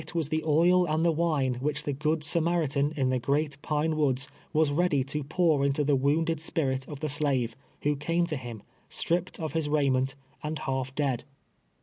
145 •was the oil and the wine wliich the Good Samaritan in the " Great Pine Woods " was ready to pour into the wounded spirit of the slave, who came to him, stripped of his raiment and half dead.